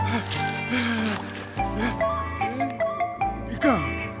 いかん。